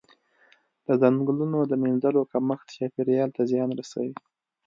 د ځنګلونو د مینځلو کمښت چاپیریال ته زیان رسوي.